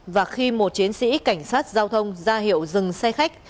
và khi một chiến sĩ cảnh sát giao thông ra hiệu dừng xe khách